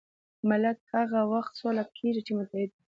ملت هغه وخت سوکاله کېږي چې متحد وي.